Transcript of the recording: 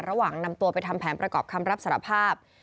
ระหว่างนำตัวไปทำแผนประกอบคำรับสารภาพ